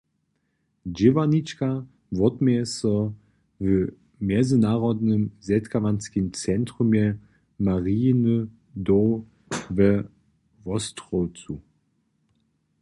Dźěłarnička wotměje so w Mjezynarodnym zetkawanskim centrumje Marijiny doł we Wostrowcu.